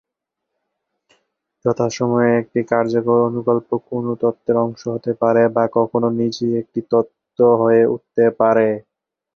যথাসময়ে, একটি কার্যকর অনুকল্প কোনো তত্ত্বের অংশ হতে পারে বা কখনো নিজেই একটি তত্ত্ব হয়ে উঠতে পারে।